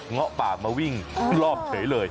เงาะปากมาวิ่งรอบเฉยเลย